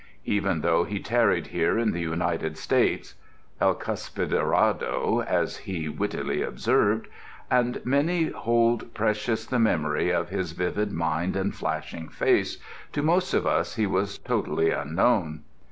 Even though he tarried here in the United States ("El Cuspidorado," as he wittily observed) and many hold precious the memory of his vivid mind and flashing face, to most of us he was totally unknown.